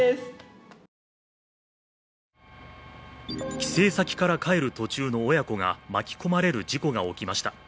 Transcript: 帰省先から帰る途中の親子が巻き込まれる事故が起きました。